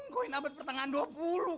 koin abad pertengahan dua puluh